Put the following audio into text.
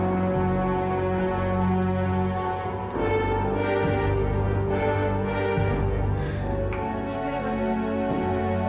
ga udah cepetan cepetan